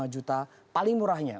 lima juta paling murahnya